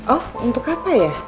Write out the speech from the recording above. oh untuk apa ya